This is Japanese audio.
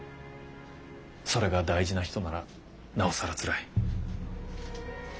それが大事な人ならなおさらつらい。